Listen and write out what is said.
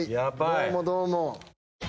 どうもどうも。